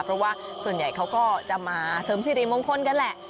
เพราะว่าส่วนใหญ่เขาก็จะมาเสริมสิริมงคลกันแหละ